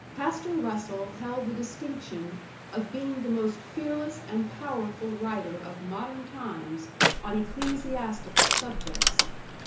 Pastor Russell held the distinction of being the most fearless and powerful writer of modern times on ecclesiastical subjects.